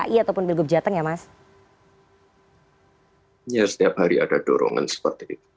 ya setiap hari ada dorongan seperti itu